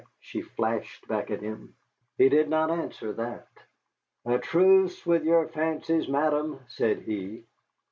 she flashed back at him. He did not answer that. "A truce with your fancies, madam," said he.